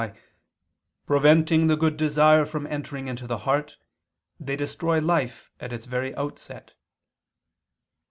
by "preventing the good desire from entering into the heart, they destroy life at its very outset."